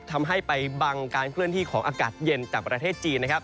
ทำให้ไปบังการเคลื่อนที่ของอากาศเย็นจากประเทศจีนนะครับ